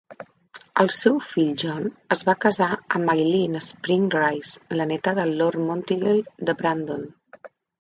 El seu fill John es va casar amb Aileen Spring Rice, la neta del Lord Monteagle de Brandon.